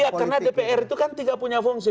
iya karena dpr itu kan tidak punya fungsi